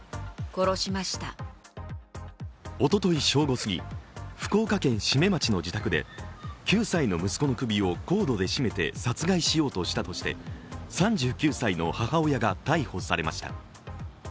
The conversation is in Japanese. おととい正午過ぎ、福岡県志免町の自宅で９歳の息子の首をコードで絞めて殺害しようとしたとして３９歳の母親が逮捕されました。